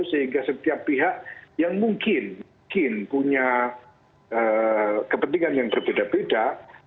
sehingga setiap pihak yang mungkin punya kepentingan yang berbeda beda